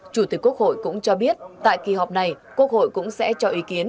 chủ tịch quốc hội cũng cho biết tại kỳ họp này quốc hội cũng sẽ cho ý kiến